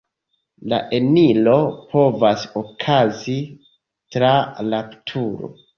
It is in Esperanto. La eniro povas okazi tra la turo.